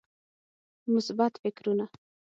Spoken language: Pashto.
مثبت فکرونه